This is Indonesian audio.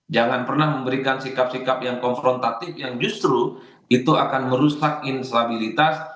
jangan pernah memberikan sikap sikap yang konfrontatif yang justru itu akan merusak instabilitas